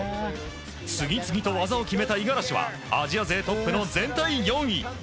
次々と技を決めた五十嵐はアジア勢トップの全体４位。